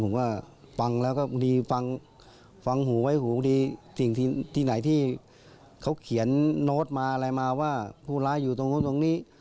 ผมก็ฟังแล้วก็ดีฟังฟังหูไว้หูดีสิ่งที่ไหนที่เขาเขียนโน้ตมาอะไรมาว่าผู้ร้ายอยู่ตรงนู้นตรงนี้